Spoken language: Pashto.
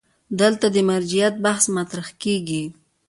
دلته د مرجعیت بحث مطرح کېږي.